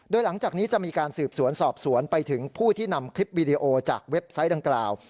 โดยหลังจากนี้จะมีการสืบสวนสอบสวนไปถึงผู้ที่นำคลิปวีดีโอจากเว็บไซต์ดังกล่าว